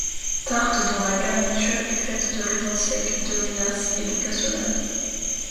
Tarte dont la garniture est faite de raisins secs, de mélasse et de cassonade.